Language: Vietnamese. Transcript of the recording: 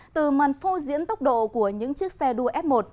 từ màn phô diễn tốc độ của những chiếc xe đua f một